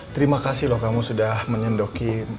terima kasih loh kamu sudah menyendokin